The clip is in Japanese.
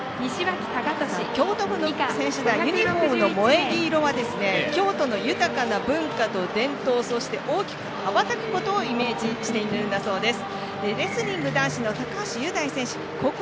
京都府の選手団ユニフォームの萌黄色は京都の豊かな文化と伝統そして大きく羽ばたくことをイメージしているんだそうです。